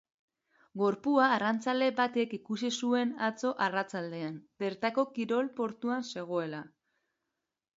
Gorpua arrantzale batek ikusi zuen atzo arratsaldean, bertako kirol portuan zegoela.